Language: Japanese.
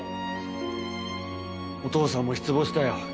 お父さんも失望したよ。